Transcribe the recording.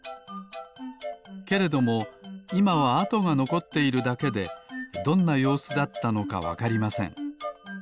けれどもいまはあとがのこっているだけでどんなようすだったのかわかりません。